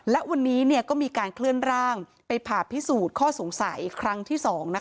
และวันนี้ก็มีการเคลื่อนร่างไปผ่าพิสูจน์ข้อสงสัยครั้งที่๒